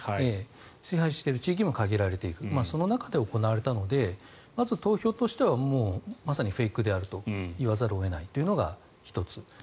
支配している地域も限られているその中で行われたのでまず、投票としてはまさにフェイクであると言わざるを得ないというのが１つ。